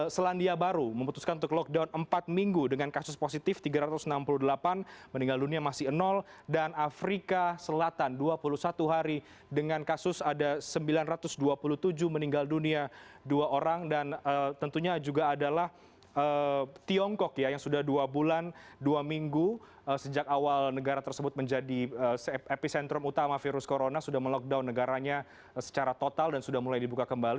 selandia baru memutuskan untuk lockdown empat minggu dengan kasus positif tiga ratus enam puluh delapan meninggal dunia masih dan afrika selatan dua puluh satu hari dengan kasus ada sembilan ratus dua puluh tujuh meninggal dunia dua orang dan tentunya juga adalah tiongkok yang sudah dua bulan dua minggu sejak awal negara tersebut menjadi epicentrum utama virus corona sudah melockdown negaranya secara total dan sudah mulai dibuka kembali